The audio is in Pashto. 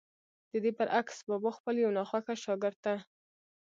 ددې برعکس بابا خپل يو ناخوښه شاګرد ته